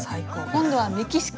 今度はメキシコ！